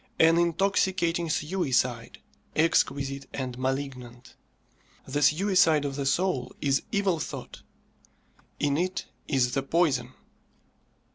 An intoxicating suicide, exquisite and malignant. The suicide of the soul is evil thought. In it is the poison.